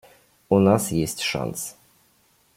У нас есть шанс.